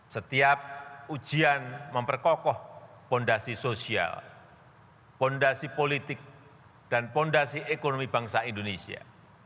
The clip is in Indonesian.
setiap ujian memperkokoh fondasi sosial fondasi politik dan fondasi ekonomi bangsa indonesia